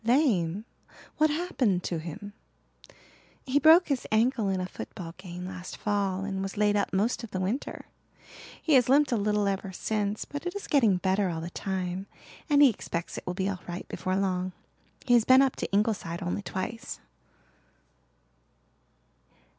"Lame? What happened to him?" "He broke his ankle in a football game last fall and was laid up most of the winter. He has limped a little ever since but it is getting better all the time and he expects it will be all right before long. He has been up to Ingleside only twice."